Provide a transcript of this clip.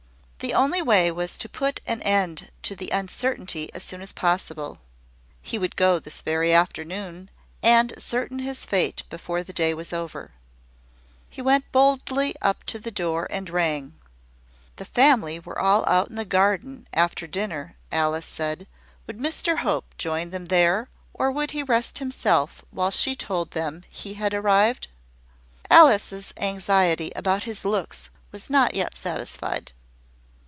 The only way was to put an end to the uncertainty as soon as possible. He would go this very afternoon, and ascertain his fate before the day was over. He went boldly up to the door and rang. "The family were all out in the garden after dinner," Alice said: "would Mr Hope join them there, or would he rest himself while she told them he had arrived?" Alice's anxiety about his looks was not yet satisfied.